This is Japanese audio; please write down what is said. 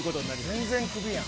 全然クビやん。